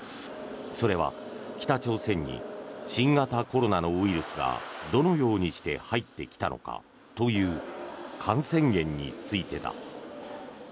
それは、北朝鮮に新型コロナのウイルスがどのようにして入ってきたのかという感染源についてだ。